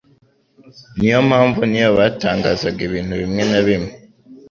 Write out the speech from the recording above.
Niyo mpamvu niyo batangazaga ibintu bimwe na bimwe